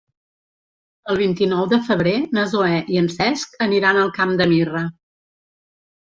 El vint-i-nou de febrer na Zoè i en Cesc aniran al Camp de Mirra.